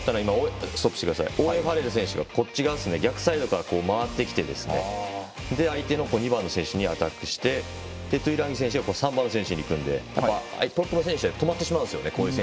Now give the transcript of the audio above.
イングランドがよかったのはオーウェン・ファレル選手が逆サイドから回ってきて相手の２番の選手にアタックしてトゥイランギ選手が３番の選手にいくんでプロップの選手止まってしまうんですよね。